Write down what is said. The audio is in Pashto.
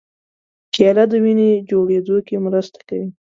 کېله د وینې جوړېدو کې مرسته کوي.